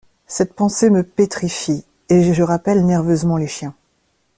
Cette pensée me pétrifie et je rappelle nerveusement les chiens.